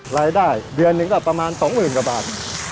รายได้เดือนหนึ่งก็ประมาณ๒๐๐๐กว่าบาท